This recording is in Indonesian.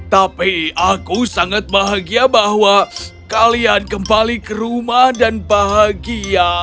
tapi aku sangat bahagia bahwa kalian kembali ke rumah dan bahagia